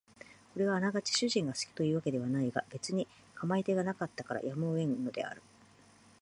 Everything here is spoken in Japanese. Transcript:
これはあながち主人が好きという訳ではないが別に構い手がなかったからやむを得んのである